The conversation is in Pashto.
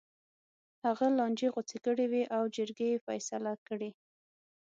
هغه لانجې غوڅې کړې وې او جرګې یې فیصله کړې.